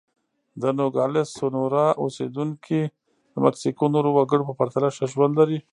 د نوګالس سونورا اوسېدونکي د مکسیکو نورو وګړو په پرتله ښه ژوند لري.